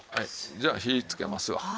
じゃあ火つけますわ。